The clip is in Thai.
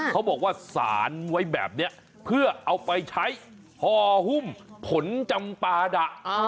เขาบอกว่าสารไว้แบบนี้เพื่อเอาไปใช้ห่อหุ้มผลจำปาดะ